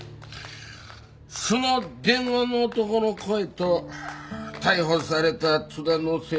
その電話の男の声と逮捕された津田の声紋とは。